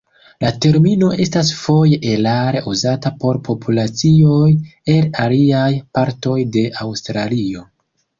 La termino estas foje erare uzata por populacioj el aliaj partoj de Aŭstralio.